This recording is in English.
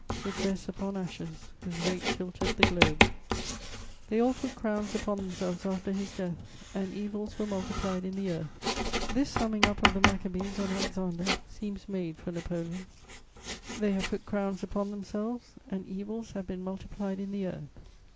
It rests upon ashes whose weight tilted the globe. "They all put crowns upon themselves after his death ... and evils were multiplied in the earth." [Sidenote: Influence of Napoleon.] This summing up of the Machabees on Alexander seems made for Napoleon: "They have put crowns upon themselves, and evils have been multiplied in the earth."